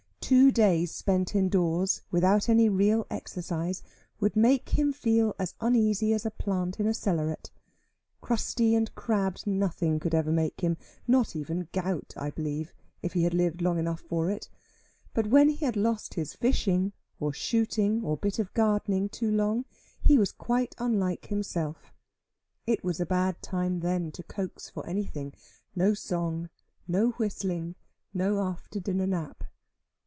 Two days spent indoors, without any real exercise, would make him feel as uneasy as a plant in a cellaret. Crusty and crabbed, nothing could ever make him not even gout I believe, if he had lived long enough for it but when he had lost his fishing, or shooting, or bit of gardening, too long, he was quite unlike himself. It was a bad time then to coax for anything no song, no whistling, no after dinner nap.